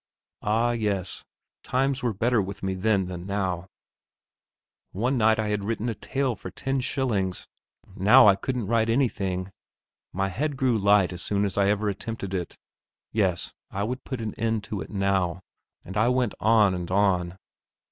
Ah yes; times were better with me then than now; one night I had written a tale for ten shillings, now I couldn't write anything. My head grew light as soon as ever I attempted it. Yes, I would put an end to it now; and I went on and on.